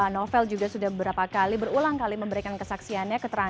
novel juga sudah beberapa kali berulang kali memberikan kesaksiannya